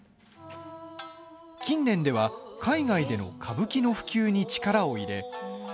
近年では海外での歌舞伎の普及に力を入れ